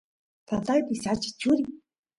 tataypa sacha churi